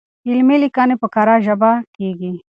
علمي ليکنې په کره ژبه کيږي.